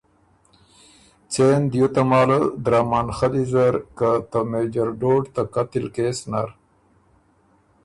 څېن دیو تماله درامن خلّی زر که ته مېجر ډوډ ته قتل کېس نر